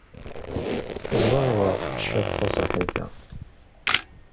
Zerweɣ cwiṭ taṣebḥit-a.